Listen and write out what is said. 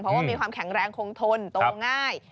เพราะว่ามีความแข็งแรงคงทนโตง่าย